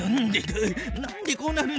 なんでこうなるんだ？